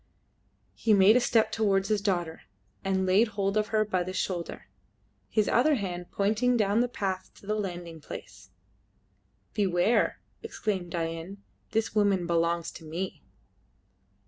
He made a step towards his daughter and laid hold of her by the shoulder, his other hand pointing down the path to the landing place. "Beware!" exclaimed Dain; "this woman belongs to me!"